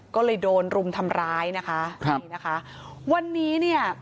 ก็เลยโดนรุมทำร้ายนะคะครับนี่นะคะวันนี้เนี่ย